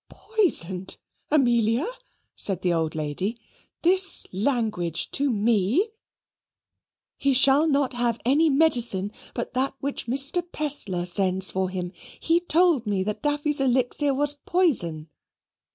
"Poisoned, Amelia!" said the old lady; "this language to me?" "He shall not have any medicine but that which Mr. Pestler sends for him. He told me that Daffy's Elixir was poison."